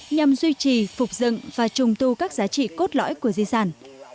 nhằm duy trì phục dựng và trùng tu các giá trị cốt lõi của di sản